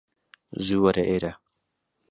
زوو وەرە ئێرە